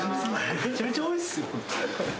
めちゃめちゃ多いですよ。